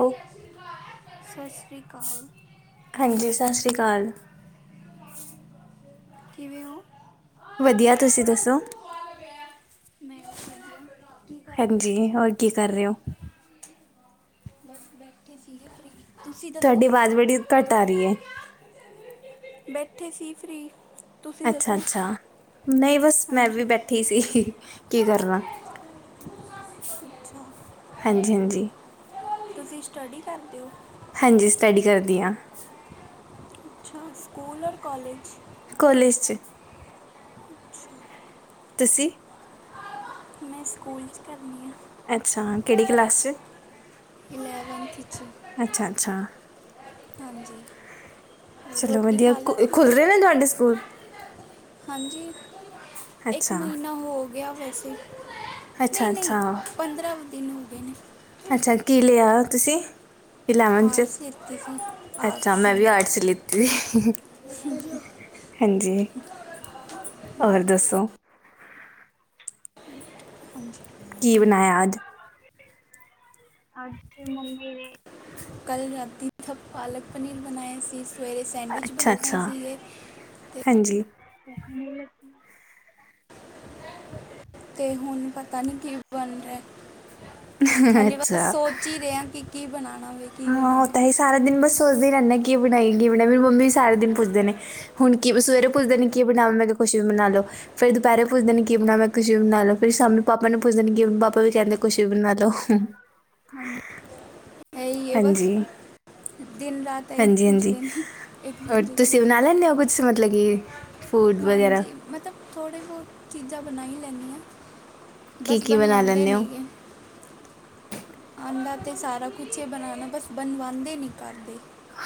ਓ ਸਸਰੀ ਕਾਲ। ਹਾਂਜੀ ਸਾਸਰੀ ਕਾਲ। ਕਿਵੇਂ ਹੋਂ? ਵਦੀਆ ਤੁਸੀਂ ਦੱਸੋ ਮੈਂ ਵਧੀਆ। ਕੀ ਕਰ ਰਹੇ ਹੋ ਹਾਂਜੀ ਤੁਸੀਂ ਹੋਰ ਕੀ ਕਰ ਰਹੇ ਓਂ। ਬਸ ਬੈਠੇ ਸੀਗੇ ਫ੍ਰੀ ਤੁਸੀਂ ਦੱਸੋ ਤਾਡੀ ਵਾਜ਼ ਬੜੀ ਘੱਟ ਆ ਰਈ ਐ। ਬੈਠੇ ਸੀ ਫਰੀ। ਅੱਛਾ-ਅੱਛਾ, ਨਈ ਬੱਸ ਮੈਂ ਵੀ ਹਾਂਜੀ ਬੈਠ ਠੀਕ ਸੀ ਕੀ ਕਰਨਾ, ਅੱਛਾ ਹਾਂਜੀ-ਹਾਂਜੀ। ਤੁਸੀਂ ਸਟੱਡੀ ਕਰਦੇ ਓ? ਹਾਂਜੀ ਸਟੱਡੀ ਕਰਦੀ ਆ। ਹਾਂ ਸਕੂਲ ਔਰ ਕੋਲੇਜ ਕੋਲੇਜ ਚ ਅੱਛਾ ਤੁਸੀਂ? ਮੈਂ ਸਕੂਲ ਚ ਕਰਨੀ ਆ। ਅੱਛਾ ਕਿਹੜੀ ਕਲਾਸ 'ਚ? ਇਲੈਵਨਥ 'ਚ। ਅੱਛਾ-ਅੱਛਾ। ਹਾਂਜੀ। ਹੋਰ ਚਲੋ ਰੋਟੀ ਵਧੀਆ ਖਾ ਖੁ ਲਿੱਤੀ ਖੁੱਲ੍ਹ ਰੇ ਨੇ ਤੁਹਾਡੇ ਸਕੂਲ? ਹਾਂਜੀ, ਇੱਕ ਅੱਛਾ ਮਹੀਨਾ ਹੋ ਗਿਆ ਵੈਸੇ, ਅੱਛਾ ਨਈ-ਨਈ ਅੱਛਾ ਪੰਦਰਾਂ ਦਿਨ ਹੋ ਗਏ ਨੇ। ਅੱਛਾ ਕੀ ਲਿਆ ਤੁਸੀਂ? ਇਲੈਵਨ ਚ ਆਰਟਸ ਲਿੱਤੀ ਸੀ ਅੱਛਾ ਆਰਟਸ ਮੈਂ ਵੀ ਆਰਟਸ ਲਿੱਤੀ। [inaudible] ਹਾਂਜੀ, ਔਰ ਦੱਸੋ? ਹਾਂਜੀ ਕੀ ਬਣਾਇਆ ਅੱਜ? ਅੱਜ ਮੰਮੀ ਨੇ, ਕੱਲ ਰਾਤੀ ਪਾਲਕ ਪਨੀਰ ਬਣਾਏ ਸੀ। ਸਵੇਰੇ ਸੈਂਡਵਿਚ ਅੱਛਾ ਅੱਛਾ ਬਣਾਏ ਸੀਗੇ ਤੇ ਹਾਂਜੀ ਤੇ ਹੁਣ ਪਤਾ ਕੀ ਬਣ ਰਿਹਾ। ਹਾਲੇ ਬਸ ਅੱਛਾ ਸੋਚ ਈ ਰਹੇ ਆ ਕਿ ਕੀ ਬਣਾਵਾਗੇ ਵੇ ਕੀ ਹਾਂ ਉਹ ਬਣਾਉਣਾ ਤਾਂ ਇਹ ਵੇ। ਸਾਰਾ ਦਿਨ ਬਸ ਸੋਚਦੇ ਈ ਰਹਿੰਦੇ ਕਿ ਇਹ ਬਣਾਈਏ ਕੀ ਬਣਾਈ ਮੇਰੀ ਮੰਮੀ ਵੀ ਸਾਰਾ ਦਿਨ ਪੁੱਛਦੇ ਨੇ। ਹੁਣ ਕੀ ਸਵੇਰੇ ਪੁੱੱਛਦੇ ਨੇ ਕੀ ਬਣਾ ਮੈਂ ਕਿਹਾ ਕੁਛ ਵੀ ਬਣਾ ਲੋ। ਫੇਰ ਦੁਪਹਿਰੇ ਪੁੱਛਦੇ ਨੇ ਕੀ ਬਣਾਵਾ ਮੈਂ ਖੁਸ਼ੀ ਬਣਾ ਦੋ ਫਿਰ ਸ਼ਾਮੀ ਪਾਪਾ ਨੂੰ ਪੁੱਛਦੇ ਨੇ ਕਿ ਪਾਪਾ ਵੀ ਕਹਿੰਦੇ ਖੁਸ਼ੀ ਬਣਾ ਦੋ। ਹਾਂਜੀ, ਐਈ ਐ ਬਸ। ਹਾਂਜੀ ਦਿਨ ਰਾਤ ਐਈ ਹਾਂਜੀ ਹਾਂਜੀ ਪੁੱਛਦੇ ਨੇ ਔਰ ਇੱਕ-ਦੂਜੇ ਕੋਲ ਤੁਸੀਂ ਬਣਾ ਲੈਂਦੇ ਹੋ ਕੁਛ ਮਤਲਬ ਕਿ, ਫੂਡ ਵਗੈਰਾ। ਮਤਲਬ ਥੋੜੇ ਬੋਤ ਚੀਜ਼ਾਂ ਬਣਾਈ ਲੈਂਨੀ ਆ। ਕੀ ਬਸ ਕੀ ਬਣਾ ਬਣਵਾਉਂਦੇ ਲੈਂਦੇ ਹੋ ਨੀ ਗੈ। ਆਦਾ ਤੇ ਸਾਰਾ ਕੁਛ ਈ ਆ ਬਨਾਨਾ ਬਸ ਬਣਬਾਦੇ ਨੀਂ ਘਰ ਦੇ।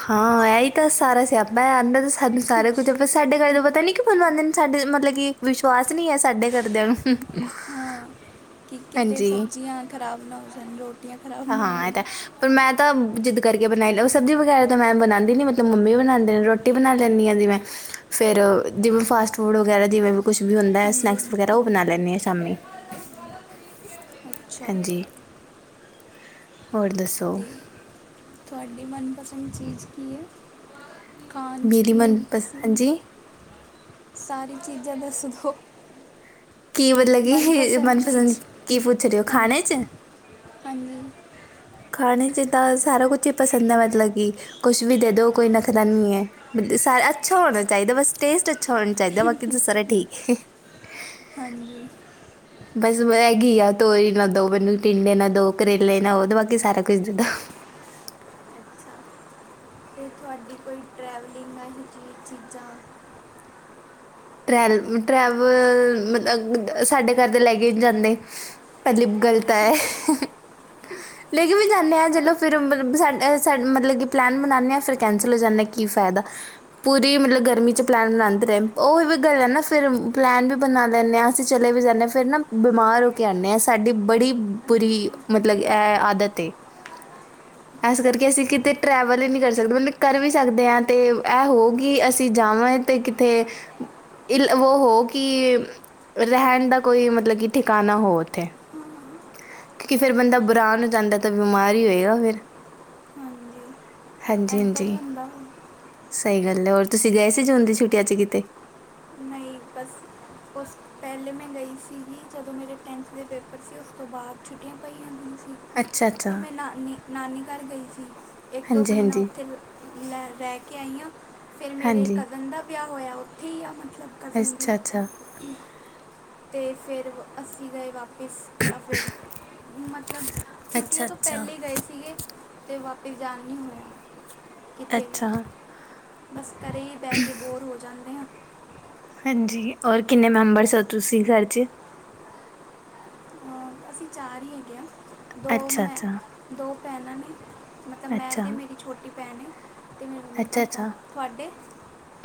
ਹਾਂ ਇਹੀ ਤਾਂ ਸਾਰਾ ਸਿਆਪਾ ਆਂਦਾ ਤੇ ਸਾਨੂੰ ਸਾਰਾ ਕੁਝ ਸਾਡੇ ਘਰ ਤੋਂ ਪਤਾ ਨੀ ਕੀ ਬਨਾਦੇ ਨੇ ਸਾਡੇ ਮਤਲਬ ਕੀ ਵਿਸ਼ਵਾਸ ਨੀ ਐ ਸਾਡੇ ਘਰ ਦਿਆਂ ਨੂੰ। ਕੀ ਕਿਤੇ ਹਾਂਜੀ ਸਬਜ਼ੀਆਂ ਖਰਾਬ ਨਾ ਹੋ ਜਾਣ ਰੋਟੀਆਂ ਖਰਾਬ ਨਾ ਹੋ ਹਾਂ ਇਹ ਜਾਣ। ਤਾਂ ਪਰ ਮੈਂ ਤਾਂ ਜਿੱਦ ਕਰਕੇ ਬਣਾਈ ਲਊ ਸਬਜ਼ੀ ਵਗੈਰਾ ਤਾਂ ਮੈਂ ਬਣਾਂਦੀ ਨੀ ਮਤ ਮੰਮੀ ਬਣਾਂਦੇ ਨੇ ਰੋਟੀ ਬਣਾ ਲੈਨੀਂ ਆ ਜੀ ਮੈਂ ਫਿਰ ਜਿਵੇਂ ਫਾਸਟ ਫੂਡ ਵਗ਼ੈਰਾ ਜਿਵੇਂ ਕੁਛ ਵੀ ਹੁੰਦਾ ਐ ਹਾਂਜੀ ਸਨੈਕਸ਼ ਵਗੈਰਾ ਹਾਂਜੀ ਉਹ ਬਣਾਈ ਲੈਂਦੀ ਆ ਸ਼ਾਮੀ। ਅੱਛਾ ਹਾਂਜੀ, ਹੋਰ ਦੱਸੋ? ਤੇ ਤੁਹਾਡੀ ਮਨਪਸੰਦ ਚੀਜ਼ ਕੀ ਐ? ਕਾਂਚ ਮੇਰੀ ਪੀ ਮਨਪਸੰਦ ਸੀ, ਹਾਂਜੀ ਸਾਰੀ ਚੀਜ਼ਾਂ ਦੱਸ ਦੋ? ਕੀ ਮਤਲਬ ਕਿ ਮਨਪਸੰਦ ਚੀਜ਼ ਕੀ, ਪੁੱਛ ਰਹੇ ਔ ਹਾਂਜੀ ਖਾਣੇ 'ਚ। ਹਾਂਜੀ। ਖਾਣੇ 'ਚ ਤਾਂ ਸਾਰਾ ਕੁਛ ਈ ਪਸੰਦ ਐ ਮਤਲਬ ਕਿ ਕੁਛ ਵੀ ਦੇ ਦਿਉ? ਕੋਈ ਨਖਦਾ ਨੀ ਐ। ਬ ਸਾਰਾ ਅੱਛਾ ਹੋਣਾ ਚਾਈਦੈ ਬਸ, ਟੇਸਟ ਅੱਛਾ ਹੋਣਾ ਚਾਈਦੈ। ਬਾਕੀ ਤਾਂ ਸਾਰੇ ਠੀਕੈ। ਹਾਂਜੀ। ਬਸ ਮੈਗੀ ਆ ਤੋਰੀ ਨਾ ਦੋ, ਮੈਨੂੰ ਟਿੰਡੇ ਨਾ ਦੋ, ਕਰੇਲੇ ਨਾਓ, ਤੇ ਬਾਕੀ ਸਾਰਾ ਕੁਛ ਦੇਦੋ। ਜੀ ਕੋਈ ਟਰੈਵਲਿੰਗ ਜ ਜ ਚੀਜਾਂ। ਟਰੈਲ ਟਰੈਵਲ ਮਤਲਬ ਸਾਡੇ ਘਰ ਦੇ ਲੈ ਕੇ ਜਾਂਦੇ। ਮਤਲਬ ਗਲਤ ਆ ਐ। [inaudible] ਲੈ ਕੇ ਵੀ ਜਾਂਨੇ ਹਆਂ ਜਲੋਂ ਫੇਰ ਮਬ ਸਾ ਮਤਲਬ ਕਿ ਪਲੈਨ ਬਨਾਣੇ ਆਂ ਫੇਰ ਕੈਂਸਲ ਹੋ ਜਾਂਨੇ ਆਂ ਕੀ ਫੈਦਾ। ਪੂਰੀ ਮਤਲਬ ਗਰਮੀ 'ਚ ਪਲੈਨ ਬਨਾਦੇ ਰਏ। ਓ ਵੀ ਗੱਲ ਐ ਨਾ ਪਲੈਨ ਵੀ ਬਨਾ ਲੈਂਨੇ ਆ, ਅਸੀਂ ਚਲੇ ਵੀ ਜਾਨੇ ਫੇਰ ਨਾ ਬਿਮਾਰ ਹੋ ਕੇ ਆਨੇ ਆਂ। ਸਾਡੀ ਬੜੀ ਬੁਰੀ ਅੱਛਾ ਮਤਲਬ, ਏ ਆਦਤ ਏ। [inaudible] ਏਸ ਕਰਕੇ ਅਸੀਂ ਕਿਤੇ ਟਰੈਵਲ ਈ ਨੀਂ ਕਰ ਸਕਦੇ ਮਤਅ ਕਰ ਵੀ ਸਕਦੇ ਆਂ ਤੇ ਐ ਹੋਈ ਅਸੀਂ ਜਾਵਾਂ ਤੇ ਕਿਤੇ ਇਲ ਵੋ ਹੋ ਕਿ ਰੈਂਣ ਦਾ ਕੋਈ ਮਤਲਬ ਕਿ ਠਿਕਾਨਾ ਹੋ ਉੱਥੇ। ਕਿਉਂ ਕੀ ਫੇਰ ਬੰਦਾ ਬਰਾਨ ਹੋ ਜਾਂਦਾ ਤਾਂ ਬਿਮਾਰ ਹੀ ਹੋਏਗਾ ਫੇਰ। ਹਾਂਜੀ ਐਂਦਾ ਹੀ ਹਾਂਜੀ-ਹਾਂਜੀ, ਹੁੰਦਾ ਵਾ। ਸਈ ਗੱਲ ਏ, ਔਰ ਤੁਸੀਂ ਗਏ ਸੀ ਜੂਨ ਦੀ ਛੁੱਟੀਆਂ ਚ ਕੀਤੇ? ਨਈਂ ਬਸ ਓਸ ਪੈਲੇ ਮੈਂ ਗਈ ਸੀਗੀ ਜਦੋਂ ਮੇਰੇ ਟੈਂਨਥ ਦੇ ਪੇਪਰ ਸੀ। ਓਸ ਤੋਂ ਬਾਅਦ ਛੁੱਟੀਆਂ ਪਈਆਂ ਹੁੰਦੀਆਂ ਸੀ। ਅੱਛਾ-ਅੱਛਾ। ਤੇ ਮੈਂ ਨਾਨੀ ਨਾਨੀ ਘਰ ਗਈ ਸੀ। ਏਕ ਦੋ ਮੀਨਾ ਹਾਂਜੀ-ਹਾਂਜੀ, ਓਥੇ ਰੈ ਕੇ ਆਈ ਆਂ। ਫੇਰ ਮੇਰੇ ਹਾਂਜੀ, ਕਜ਼ਨ ਦਾ ਵਿਯਾ ਹੋਯਾ, ਓਥੇ ਹੀ ਆ ਮਤਲਬ। ਕਜ਼ਨ ਵੀ ਅੱਛਾ-ਅੱਛਾ। ਤੇ ਫੇਰ ਅਸੀ ਗਏ ਵਾਪ ਪੀਸ਼ ਤਾਂ ਫਿਰ ਮਤਲਬ ਛੁੱਟੀਆਂ ਅੱਛਾ-ਅੱਛਾ, ਤੋਂ ਅੱਛਾ, ਅੱਛਾ ਅੱਛਾ ਪੈਲੇ ਈ ਗਏ ਸੀਗੇ। ਤੇ ਵਾਪਸ ਜਾਨ ਈਂ ਨੀਂ ਹੋਯਾ। ਅੱਛਾ। ਬਸ ਘਰੇ ਈ ਬੈ ਕੇ ਬੋਰ ਹੋ ਜਾਂਨੇ ਆਂ। ਹਾਂਜੀ, ਔਰ ਕਿੰਨੇ ਮੈਂਬਰਸ ਹੋ ਤੁਸੀਂ ਘਰ 'ਚ? ਅਹ ਅਸੀਂ ਚਾਰ ਈ ਹੈਗੇ ਹਾਂ ਦੋ ਮੈਂ ਅੱਛਾ-ਅੱਛਾ, ਦੋ ਭੈਣਾਂ ਨੇ ਮਤਲਬ ਮੈਂ ਅੱਛਾ, ਤੇ ਮੇਰੀ ਛੋਟੀ ਭੈਣ ਏ, ਤੇ ਮੇਰੇ ਮੰਮੀ-ਪਾਪਾ ਅੱਛਾ-ਅੱਛਾ। ਤੁਆਡੇ?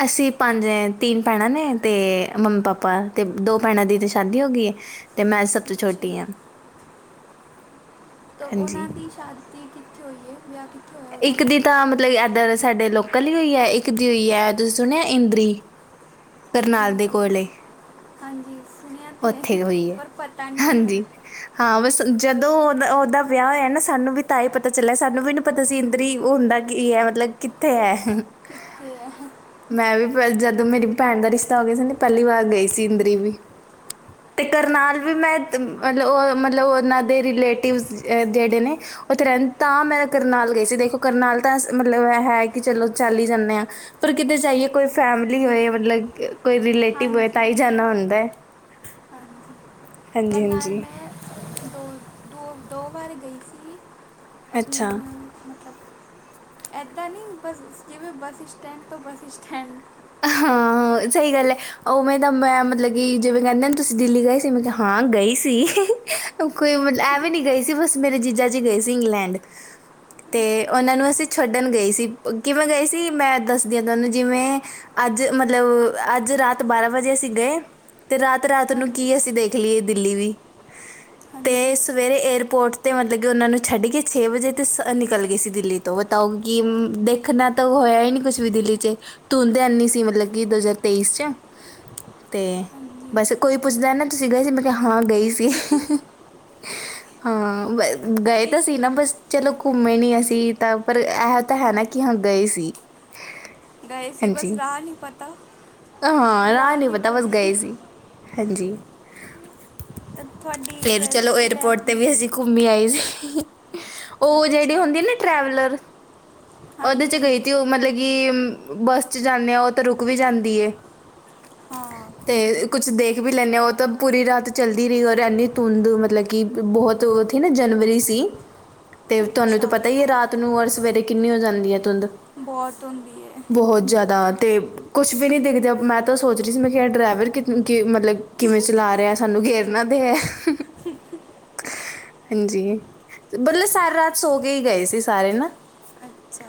ਅਸੀਂ ਪੰਜ ਤਿੰਨ ਭੈਣਾਂ ਨੇ ਤੇ ਮੰਮੀ-ਪਾਪਾ ਤੇ ਦੋ ਭੈਣਾਂ ਦੀ ਤਾਂ ਸ਼ਾਦੀ ਹੋ ਗੀਏ। ਤੇ ਮੈਂ ਸਭ ਤੋਂ ਛੋਟੀ ਆਂ। ਅੱਛਾ ਤੋਂ ਉਨਾਂ ਹਾਂਜੀ। ਦੀ ਸ਼ਾਦੀ ਕਿੱਥੇ ਹੋਈਏ? [unintelligible] ਇੱਕ ਦੀ ਤਾਂ ਮਤਲਬ ਏਧਰ ਸਾਡੇ ਲੋਕਲ ਈ ਹੋਈ ਏ। ਇੱਕ ਦੀ ਹੋਈ ਐ ਤੁਸੀਂ ਸੁਣਿਐ ਇੰਦਰੀ ਕਰਨਾਲ ਦੇ ਇੰਦੀ ਕੋਲੇ। ਹਾਂਜੀ। ਸੁਣਿਆ ਤੇ ਹੈ ਉੱਥੇ ਹੋਈ ਏ, ਪਰ ਪਤਾ ਨਹੀਂ ਹਾਂਜੀ। ਹੈਗਾ ਹਾਂ, ਬਸ ਜਦੋਂ ਓਦ ਅੱਛਾ ਓਦਾ ਵਿਯਾ ਹੋਯਾ ਨਾ ਸਾਨੂੰ ਵੀ ਤਾਂ ਈ ਪਤਾ ਚੱਲਿਆ ਸਾਨੂੰ ਵੀ ਪਤਾ ਸੀ ਇੰਦਰੀ ਓ ਹੁੰਦਾ ਕੀ ਏ, ਮਤਲਬ ਕਿੱਥੇ ਐ? ਕਿਥੇ ਐ? ਮੈਂ ਵੀ ਜਦੋਂ ਮੇਰੀ ਭੈਣ ਦਾ ਰਿਸ਼ਤਾ ਹੋ ਗਿਆ ਸੀ ਨਾ ਪੈਲੀ ਵਾਰ ਗਈ ਸੀ ਇੰਦਰੀ ਵੀ। ਤੇ ਕਰਨਾਲ ਅੱਛਾ ਵੀ ਮੈਂ ਮਤਲਬ ਓ ਮਤਲਬ ਉਨਾਂ ਦੇ ਰਿਲੇਟਿਵਜ਼ ਜੇੜੇ ਨੇ ਓਥੇ ਰੈਂ ਤਾਂ ਮੈਂ ਕਰਨਾਲ ਗਈ ਸੀ ਦੇਖੋ, ਕਰਨਾਲ ਤਾਂ ਮਤਲਬ ਹੈ ਕਿ ਚਲੋ ਚੱਲ ਈ ਜਾਂਨੇ ਆਂ। ਪਰ ਕਿਤੇ ਜਾਈਏ ਕੋਈ ਫੈਮਿਲੀ ਹੋਏ ਮਤਲਬ ਕੋਈ ਰਿਲੇਟਿਵ ਹੋਏ ਹਾਂਜੀ ਤਾਂ ਹੀ ਜਾਣਾ ਹੁੰਦਾ ਐ ਹਾਂਜੀ ਕਰਨਾਲ ਹਾਂਜੀ-ਹਾਂਜੀ, ਮੈਂ ਦੋ ਦੋ ਦੋ ਵਾਰ ਗਈ ਸੀ ਅ ਅੱਛਾ। ਹਮ ਮਤਲਬ ਏਦਾਂ ਨੀ ਬਸ ਜਿਵੇਂ ਬੱਸ ਇਸਟੈਂਡ ਤੋਂ ਬੱਸ ਇਸਟੈਂਡ ਹਾਂ ਸਹੀ ਗੱਲ ਏ ਉਵੇਂ ਤਾਂ ਮੈਂ ਮਤਲ ਕਿ ਜਿਵੇਂ ਕਹਿੰਦੇ ਨੇ ਤੁਸੀਂ ਦਿੱਲੀ ਗਏ ਸੀ ਮੈਂ ਕਿਹਾ ਹਾਂ ਗਈ ਸੀ ਉਹ ਕੋਈ ਐਂ ਵੀ ਨੀ ਗਈ ਸੀ ਬਸ ਮੇਰੇ ਜੀਜਾ ਜੀ ਗਏ ਸੀ ਇੰਗਲੈਂਡ ਤੇ ਅੱਛਾ ਉਨਾਂ ਨੂੰ ਅਸੀਂ ਛੱਡਣ ਗਏ ਸੀ ਕਿਵੇਂ ਗਏ ਸੀ ਮੈਂ ਦੱਸਦੀ ਆਂ ਤੁਆਨੂੰ ਜਿਵੇਂ ਅੱਜ ਮਤਲਬ ਅੱਜ ਰਾਤ ਬਾਰਾਂ ਵਜੇ ਅਸੀਂ ਗਏ ਤੇ ਰਾਤ ਰਾਤ ਨੂੰ ਕੀ ਹਾਂਜੀ ਏ ਅਸੀਂ ਦੇਖ ਲੀ ਏ ਦਿੱਲੀ ਵੀ [inaudible] ਤੇ ਸਵੇਰੇ ਏਅਰਪੋਰਟ ਤੇ ਮਤਲਬ ਕਿ ਉਹਨਾਂ ਨੂੰ ਛੱਡ ਕੇ ਛੇ ਵਜੇ ਤੇ ਸ ਅ ਨਿਕਲ ਗਏ ਸੀ ਦਿੱਲੀ [unintelligible] ਕਿ ਦੇਖਣਾ ਤਾਂ ਹੋਇਆ ਹੀ ਨੀ ਕੁੱਛ ਵੀ ਦਿੱਲੀ ਚ ਧੁੰਦ ਏਨੀ ਸੀ ਕਿ ਮਤਲਬ ਕਿ ਦੋ ਹਜ਼ਾਰ ਤੇਈਸ ਚ ਤੇ ਹਾਂਜੀ ਬਸ ਕੋਈ ਪੁੱਛਦਾ ਨਾ ਤੁਸੀਂ ਗਏ ਸੀ ਮੈਂ ਕਿਹਾ ਹਾਂ ਗਈ ਸੀ [inaudible] ਹਾਂ ਵੇ ਗਏ ਕੀ ਤੇ ਸੀ ਨਾ ਬਸ ਚਲੋ ਘੁੰਮੇ ਨੀ ਅਸੀਂ ਤਾਂ ਪਰ ਏਹ ਤਾਂ ਹੈ ਨਾ ਕੀ ਹਾਂ ਗਏ ਸੀ ਗਏ ਸੀ ਬਸ ਹਾਂਜੀ ਰਾਹ ਨੀ ਪਤਾ ਹਾਂ ਰਾਹ ਨੀ ਪਤਾ ਬਸ ਗਏ ਸੀ ਹਂਜੀ ਤਾਂ ਤੁਹਾਡੀ ਫੇਰ ਚਲੋ ਏਅਰਪੋਰਟ ਤੇ ਵੀ ਅਸੀਂ ਘੁੰਮੇ ਆਈ ਸੀ ਉਹ ਜੇੜੀ ਅੱਛਾ ਹੋਂਦੀ ਹੈ ਨਾ ਟਰੈਵਲਰ ਉਹਦੇ ਹਾਂਜੀ ਚ ਗਈ ਹਾਂਜੀ ਤੀ ਉ ਮਤਲਬ ਕਿ ਬੱਸ ਚ ਜਾਂਨੇ ਆ ਉਹ ਤੇ ਰੁਕ ਵੀ ਜਾਂਦੀ ਏ ਹਾਂ ਤੇ ਕੁੱਛ ਦੇਖ ਵੀ ਲੈਂਣੇ ਆ ਉਹ ਤਾਂ ਪੂਰੀ ਰਾਤ ਚੱਲਦੀ ਰਹੀ ਔਰ ਏਨੀ ਧੁੰਦ ਮਤਲਬ ਕਿ ਕਿ ਬੋਹਤ ੳੱਥੇ ਨਾ ਜਨਵਰੀ ਸੀ [inaudible] ਤੇ ਤੁਹਾਨੂੰ ਤਾਂ ਪਤਾ ਹੀ ਏ ਰਾਤ ਨੂੰ ਔਰ ਸਵੇਰੇ ਕਿੰਨੀ ਹੋ ਜਾਂਦੀ ਹੈ ਧੁੰਦ ਬੋਤ ਹੁੰਦੀ ਏ ਬਹੁਤ ਜਿਆਦਾ ਤੇ ਕੁੱਛ ਵੀ ਨੀ ਦਿਖਦੇ ਮੈਂ ਤਾਂ ਸੋਚ ਰਹੀ ਸੀ ਮੈਂ ਖਾ ਡਰੇਵਰ ਕਿ ਕਿ ਮਤਲਬ ਕਿਵੇਂ ਚਲਾ ਰਿਹਾ ਸਾਨੂੰ ਗੇਰ ਨਾ ਦੇ ਏਹ [unintelligible] ਹਂਜੀ ਮਤਲਬ ਸਾਰੀ ਰਾਤ ਸੋ ਕੇ ਹੀ ਗਏ ਸੀ ਸਾਰੇ ਨਾ ਅੱਛਾ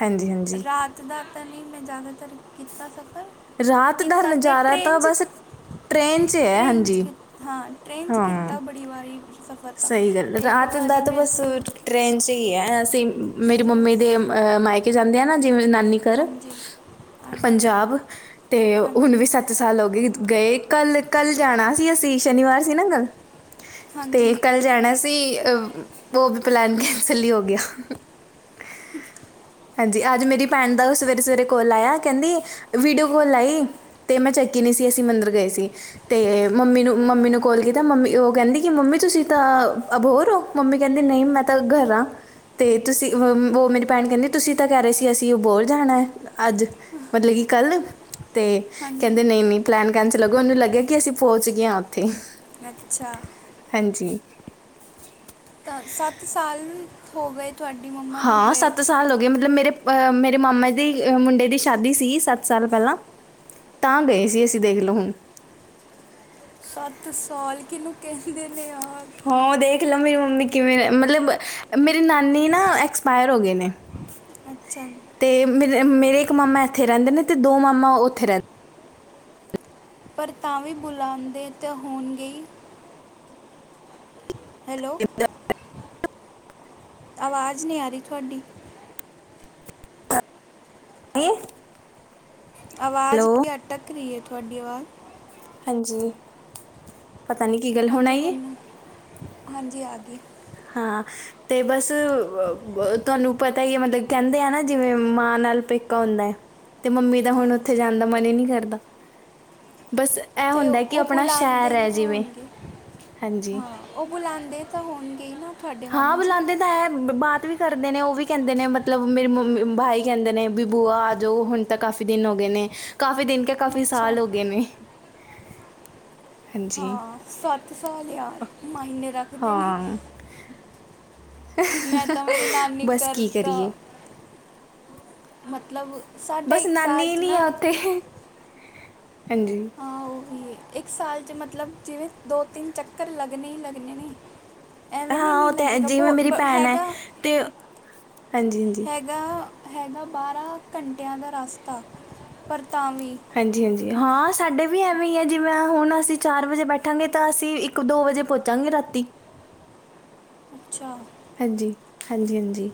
ਹਾਂਜੀ ਹਾਂਜੀ [unintelligible] ਨਹੀਂ ਮੈਂ ਜ਼ਿਆਦਾਤਰ ਕੀਤਾ ਸਫ਼ਰ ਰਾਤ ਦਾ ਕੀਤਾ ਤੇ ਨਜਾਰਾ ਤਾਂ ਟ੍ਰੇਨ 'ਚ ਬਸ ਟ੍ਰੇਨ ਚ ਹੈ ਟ੍ਰੇਨ 'ਚ ਹਾਂਜੀ ਕੀ- ਹਾਂ ਟ੍ਰੇਨ ਚ ਹਾਂ ਕੀਤਾ ਬੜੀ ਵਾਰੀ ਸਫ਼ਰ ਤਾਂ ਸਹੀ ਗੱਲ ਏ ਇੱਕ ਰਾਤ ਦਾ ਵਾਰੀ ਤੇ ਮੈਂ ਬੱਸ ਟ੍ਰੇਨ ਚ ਹੀ ਏ ਅਸੀਂ ਮੇਰੀ ਸ- ਮੰਮੀ ਦੇ ਸ- ਅਹ ਮਾਇਕੇ ਜਾਂਦੇ ਆ ਨਾ ਜਿਵੇਂ ਨਾਨੀ ਘਰ ਹਾਂਜੀ ਹਾਂਜੀ ਪੰਜਾਬ ਤੇ ਹੁਣ ਹਾਂਜੀ ਵੀ ਸੱਤ ਸਾਲ ਹੋ ਗਏ ਗਏ ਕੱਲ੍ਹ ਕੱਲ੍ਹ ਜਾਣਾ ਸੀ ਅਸੀਂ ਸ਼ਨੀਵਾਰ ਸੀ ਨਾ ਕੱਲ੍ਹ ਤੇ ਹਾਂਜੀ ਕੱਲ੍ਹ ਜਾਣਾ ਸੀ ਅ ਉਹ ਵ ਪਲੈਨ ਕੈਂਸਲ ਹੀ ਹੋ ਗਿਆ [unintelligible] ਹਾਂਜੀ, ਆਜ ਮੇਰੀ ਭੈਣ ਦਾ ਓ ਸਵੇਰੇ-ਸਵੇਰੇ ਕੌਲ ਆਇਆ ਕ ਕੈਂਦੀ ਵੀਡੀਓ ਕੌਲ ਲਾਈ। ਤੇ ਮੈਂ ਚੱਕੀ ਨੀ ਸੀ ਅਸੀਂ ਮੰਦਿਰ ਗਏ ਸੀ। ਤੇ ਮੰਮੀ ਨੂੰ, ਮੰਮੀ ਨੂੰ ਕੌਲ ਕੀਤਾ ਮੰਮੀ ਓ ਕੈਂਦੀ ਕਿ ਮੰਮੀ ਤੁਸੀਂ ਤਾਂ ਅਭੋਰ ਓ? ਮੰਮੀ ਕੈਂਦੀ ਨਈ ਮੈਂ ਤਾਂ ਘਰ ਆ। ਤੇ ਤੁਸੀਂ ਅ ਹੂੰ ਵੋ ਮੇਰੀ ਭੈਣ ਕੈਂਦੀ ਤੁਸੀਂ ਤਾਂ ਕੈ ਰਏ ਸੀ ਅਸੀਂ ਅਬੋਰ ਜਾਣਾ ਐ ਆੱਜ ਮਤਲਲ ਕਿ ਕੱਲ। ਤੇ ਹਾਂਜੀ ਕੈਂਦੇ ਨਈ-ਨਈ ਪਲੈਨ ਕੈਂਸਲ ਹੋ ਗੇਆ ਓਨੂੰ ਲੱਗਿਆ ਕਿ ਅਸੀਂ ਪੋਂਚ ਗਏ ਆ ਓੱਥੇ ਅੱਛਾ। ਹਾਂਜੀ। ਤਾਂ ਸੱਤ ਸਾਲ ਹੋ ਗਏ ਤੁਹਾਡੀ ਮੰਮਾ ਨੂੰ ਹਾਂ ਗਏ ਸੱਤ ਸਾਲ ਹੋ ਗਏ ਮਤਲਬ ਮੇਰੇ ਅ ਮੇਰੇ ਮਾਮਾ ਜੀ ਦੀ ਮੁੰਡੇ ਦੀ ਸ਼ਾਦੀ ਸੀ ਸੱਤ ਸਾਲ ਪੈਲਾਂ ਤਾਂ ਗਏ ਸੀ ਅਸੀਂ ਦੇਖ ਲਓ ਹੁਣ ਸੱਤ ਸਾਲ ਕਿਨੂੰ ਕੈਂਦੇ ਨੇ ਯਾਰ ਹਾਂ ਦੇਖ ਲਓ ਮੇਰੀ ਮੰਮੀ ਕਿਵੇਂ ਮਤਲਬ ਮੇਰੀ ਨਾਨੀ ਨਾ ਐਕਸਪਾਇਰ ਹੋ ਗਏ ਨੇ। ਅੱਛਾ। ਤੇ ਮੇਰੇ ਮੇਰੇ ਇੱਕ ਮਾਮਾ ਐਥੇ ਰੈਂਦੇ ਨੇ ਤੇ ਦੋ ਮਾਮਾ ਓੱਥੇ ਰੈ ਪਰ ਤਾਂ ਵੀ ਬੁਲਾਂਦੇ ਤਾਂ ਹੋਣਗੇ ਈ ਹੈਲੋ। ਆਵਾਜ਼ ਨੀ ਆ ਰੀ ਤੁਆਡੀ। [inaudible] ਆਵਾਜ਼ ਹੈਲੋ ਈ ਅਟਕ ਰੀ ਐ ਤੁਆਡੀ ਆਵਾਜ਼ ਹਾਂਜੀ। ਪਤਾ ਨੀ ਕੀ ਗੱਲ ਹੋਣ ਹਾਂਜੀ ਆਈ ਹੈ ਹੁਣੂੰ ਹਾਂਜੀ ਆ ਗਏ। ਹਾਂ ਤੇ ਬਸ ਬਬ ਤੁਆਨੂੰ ਪਤਾ ਈ ਐ ਮਤਲਬ ਕੈਂਦੇ ਆ ਨਾ ਜਿਵੇਂ ਮਾਂ ਨਾਲ ਪੇਕਾ ਹੁੰਦਾ ਐ ਤੇ ਮੰਮੀ ਦਾ ਹੁਣ ਉੱਥੇ ਹਾਂਜੀ ਜਾਣ ਦਾ ਮਨ ਈ ਨੀ ਕਰਦਾ। ਬਸ ਇਹ ਅਤੇ ਹੁੰਦਾ ਕਿ ਓ ਆਪਣਾ ਸ਼ਹਿਰ ਬੁਲਾਂਦੇਨ ਹੈ ਤਾਂ ਜਿਵੇਂ ਹੋਣਗੇ, ਹਾਂਜੀ ਹਾਂ। ਓ ਬੁਲਾਂਦੇ ਤਾਂ ਹੋਣਗੇ ਈ ਨਾ। ਤੁਹਾਡੇ ਹਾਂ ਮਾਮਾ ਜੀ ਬੁਲਾਂਦੇ ਤਾਂ ਹੈ, ਬਾਤ ਵੀ ਕਰਦੇ ਨੇ ਓ ਵੀ ਕੈਂਦੇ ਨੇ ਮਤਲਬ ਮੇਰੀ ਮੰਮੀ ਭਾਈ ਕੈਂਦੇ ਨੇ ਵੀ ਬੂਆ ਆਜੋ ਹੁਣ ਤਾਂ ਕਾਫੀ ਦਿਨ ਓ ਗਏ ਨੇ, ਕਾਫੀ ਦਿਨ ਕੇ ਕਾਫੀ ਅੱਛਾ ਸਾਲ ਹੋ ਗਏ ਨੇ। ਹਾਂਜੀ ਹਾਂ ਸੱਤ ਸਾਲ ਯਾਰ ਮਾਈਨੇ ਰੱਖ ਹਾਂ। ਮੈਂ ਤਾਂ ਮੇਰੀ ਨਾਨੀ ਬਸ ਕੀ ਕਰਤਾ ਕਰੀਏ ਮਤਲਬ ਸਾਡਾ ਬਸ ਇੱਕ ਸਾਲ ਨਾਨੀ ਚ ਨੀ ਨਾ ਆ ਓੱਥੇ, ਹਾਂਜੀ। ਆਂ ਓਹੀ। ਇੱਕ ਸਾਲ ਚ ਮਤਲਬ ਜਿਵੇਂ ਦੋ-ਤਿੰਨ ਚੱਕਰ ਲੱਗਣੇ ਈ ਲੱਗਣੇ ਨੇ। ਐਵੇਂ ਹਾਂ ਨੀ-ਨੀ ਉਹ ਤੇ ਲੱਗੇਗਾ ਜਿਵੇਂ ਬੋ ਮੇਰੀ ਬ ਭੈਣ ਹੈ ਹੈਗਾ। ਤੇ ਹਾਂਜੀ-ਹਾਂਜੀ। ਐਗਾ-ਹੈਗਾ ਬਾਰ੍ਹਾਂ ਘੰਟਿਆਂ ਦਾ ਰਾਸਤਾ ਪਰ ਤਾਂਵੀ ਹਾਂਜੀ-ਹਾਂਜੀ, ਹਾਂ ਸਾਡੇ ਵੀ ਐਵੇਂ ਹੀ ਆ ਜਿਵੇਂ ਹੁਣ ਅਸੀਂ ਚਾਰ ਵਜੇ ਬੈਠਾਂਗੇ ਤਾਂ ਅਸੀਂ ਇੱਕ ਦੋ ਵਜੇ ਪਓਚਾਂਗੇ ਰਾਤੀ। ਅੱਛਾ ਹਾਂਜੀ, ਹਾਂਜੀ, ਹਾਂਜੀ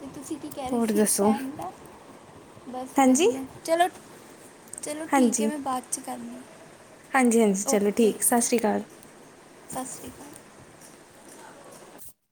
ਤੇ ਤੁਸੀਂ ਕੀ ਕੈ ਰੇ ਹੋਰ ਸੀ ਦੱਸੋ ਫੈਨ ਦਾ ਬਸ ਹਾਂਜੀ ਵਧੀਆ ਚਲੋ ਚਲੋ ਠੀਕ ਐ ਮੈਂ ਬਾਚ ਕਰਨੀ ਹਾਂਜੀ-ਹਾਂਜੀ ਚਲੋ ਠੀਕ ਸਾਸਰੀਕਾਲ ਸਾਸਰੀਕਾਲ